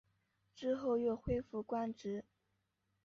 之后又恢复官职。